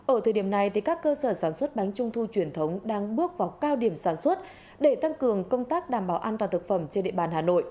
ở thời điểm này các cơ sở sản xuất bánh trung thu truyền thống đang bước vào cao điểm sản xuất để tăng cường công tác đảm bảo an toàn thực phẩm trên địa bàn hà nội